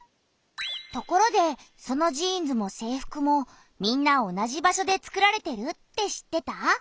ところでそのジーンズも制服もみんな同じ場所でつくられてるって知ってた？